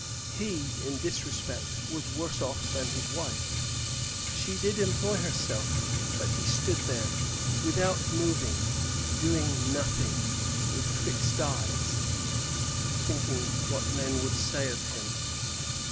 He, in this respect, was worse off than his wife; she did employ herself, but he stood there without moving, doing nothing, with fixed eyes, thinking what men would say of him.